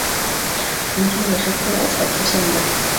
这个名称也是后来才出现的。